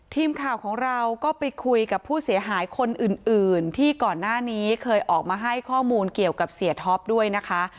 ทีมข่าวของเราก็ไปคุยกับผู้เสียหายคนอื่นที่ก่อนหน้านี้เคยออกมาให้ข้อมูลเกี่ยวกับเสียท็อปด้วยนะคะ